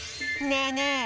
ねえねえ